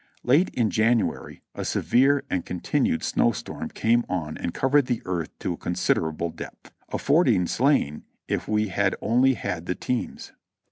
Late in January a severe and continued snow storm came on and covered the earth to a considerable depth, affording sleigh ing if we had only had the teams.